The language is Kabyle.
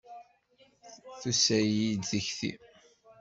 Tusa-yi-d tikti.